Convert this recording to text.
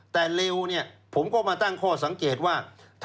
แต่เร็วเนี่ยผมก็มาตั้งข้อสังเกตว่า